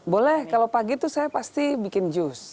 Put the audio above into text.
boleh kalau pagi itu saya pasti bikin jus